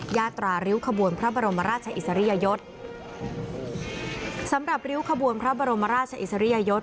ญาตราริ้วขบวนพระบรมราชอิสริยยศสำหรับริ้วขบวนพระบรมราชอิสริยยศ